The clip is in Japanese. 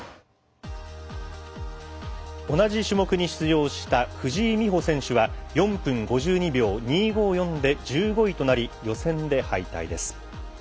同じ種目に出場した藤井美穂選手は４分５２秒２５４で１５位となり予選で敗退です。